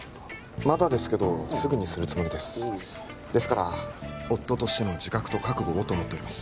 まだですけどすぐにするつもりですですから夫としての自覚と覚悟をと思っております